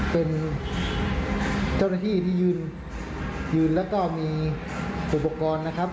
เป็นเจ้าหน้าที่ที่ยืนยืนแล้วก็มีอุปกรณ์นะครับ